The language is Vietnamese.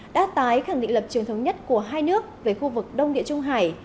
đã tái khẳng định lập trường thống nhất của hai nước về khu vực đông địa trung hải